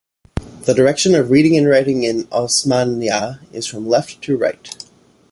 The direction of reading and writing in Osmanya is from left to right.